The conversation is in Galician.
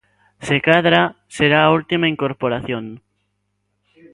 Se cadra, será a última incorporación.